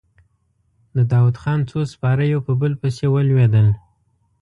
د داوودخان څو سپاره يو په بل پسې ولوېدل.